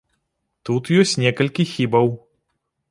Тут ёсць некалькі хібаў.